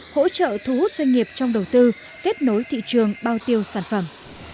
hỗ trợ thu hút doanh nghiệp trong đầu tư kết nối thị trường bao tiêu sản phẩm